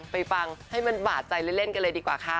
ไปฟังให้มันบาดใจเล่นกันเลยดีกว่าค่ะ